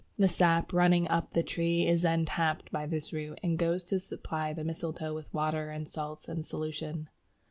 The sap running up the tree is then tapped by this root, and goes to supply the mistletoe with water and salts in solution.